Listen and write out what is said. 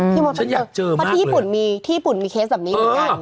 พอที่ญี่ปุ่นมีที่ญี่ปุ่นมีเคสแบบนี้เหมือนกัน